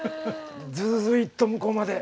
ずずずいっと向こうまで。